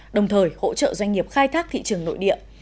đồng thời hỗ trợ doanh nghiệp khai thác thị trường nội địa